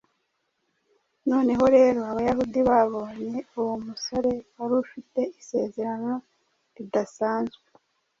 Noneho rero Abayahudi babonye uwo musore wari ufite isezerano ridasanzwe